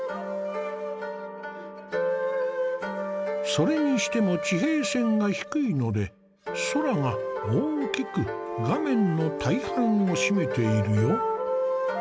それにしても地平線が低いので空が大きく画面の大半を占めているよ。